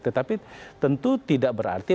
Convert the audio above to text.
tetapi tentu tidak berarti